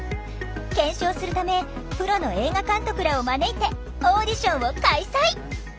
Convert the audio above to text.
検証するためプロの映画監督らを招いてオーディションを開催！